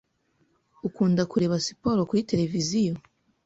Ukunda kureba siporo kuri tereviziyo?